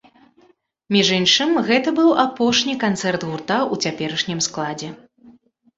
Між іншым, гэта быў апошні канцэрт гурта ў цяперашнім складзе.